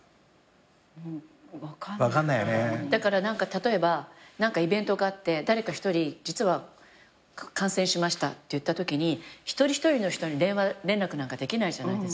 例えば何かイベントがあって誰か一人実は感染しましたっていったときに一人一人の人に電話連絡なんかできないじゃないですか。